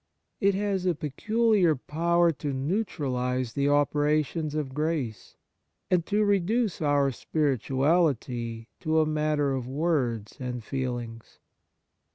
It has a peculiar power to neutralize the operations of grace, and to reduce our spirituality to a matter of words and feelings.